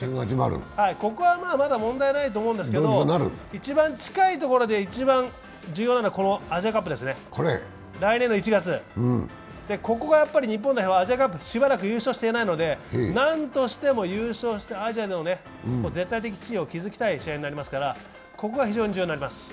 ここはまあ、まだ問題ないと思うんですが一番近いところで問題なのは大事なのはこのアジアカップですね、来年の１月ここが日本代表、アジアカップしばらく優勝していないのでアジアでの絶対的地位を築きたい試合になりますからここが非常に重要になります。